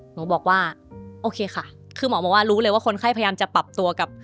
หนูบอกว่าโอเคค่ะคือหมอบอกว่ารู้เลยว่าคนไข้พยายามจะปรับตัวกับ